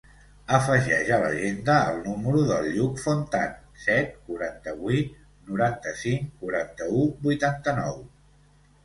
Afegeix a l'agenda el número del Lluc Fontan: set, quaranta-vuit, noranta-cinc, quaranta-u, vuitanta-nou.